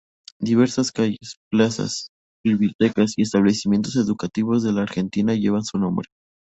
Diversas calles, plazas, bibliotecas y establecimientos educativos de la Argentina llevan su nombre.